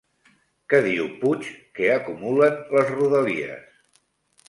Què diu Puig que acumulen les Rodalies?